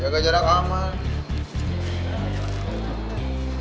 jaga jarak hamal